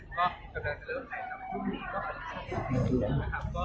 ก็เริ่มเริ่มรอชัยมานี่แล้วก็